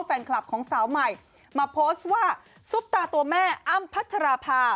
แฟนคลับของสาวใหม่มาโพสต์ว่าซุปตาตัวแม่อ้ำพัชราภา